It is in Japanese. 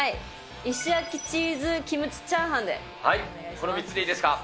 この３つでいいですか。